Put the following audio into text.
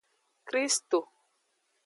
Kristo.